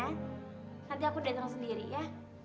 nanti aku datang sendiri ya